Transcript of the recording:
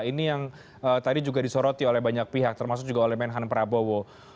ini yang tadi juga disoroti oleh banyak pihak termasuk juga oleh menhan prabowo